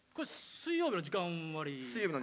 水曜日の時間割。